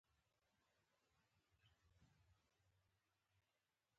لویه برخه عواید د دولت خزانې ته تلل.